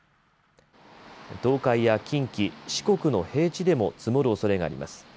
東海や近畿、四国の平地でも積もるおそれがあります。